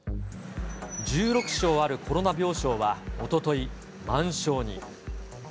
１６床あるコロナ病床はおととい、満床に。